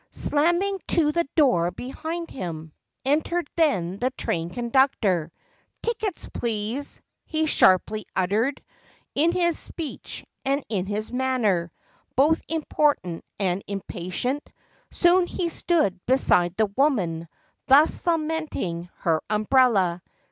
" Slamming to the door behind him, Entered then the train conductor, "Tickets, please!" he sharply uttered, In his speech and in his manner Both important and impatient. Soon he stood beside the woman Thus lamenting her umbrella.